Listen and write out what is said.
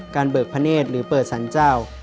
เบิกพระเนธหรือเปิดสรรเจ้า